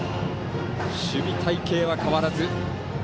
守備隊形は変わらず。